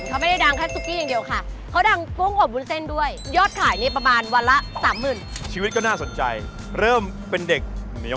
เขาไม่ได้ดังแค่ซุกี้อย่างเดียวค่ะเขาดังภูมิของบุญเส้นด้วย